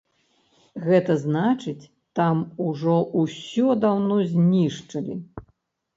Гэта значыць, там ужо ўсё даўно знішчылі.